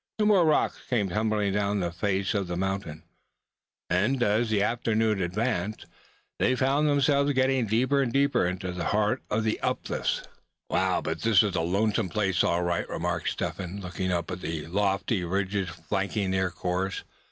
No more rocks came tumbling down the face of the mountain; and as the afternoon advanced they found themselves getting deeper and deeper into the heart of the uplifts. "Wow! but this is a lonesome place, all right," remarked Step Hen, looking up at the lofty ridges flanking their course.